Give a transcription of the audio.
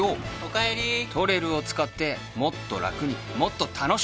「ＴＯＲＥＲＵ」を使ってもっとラクにもっと楽しく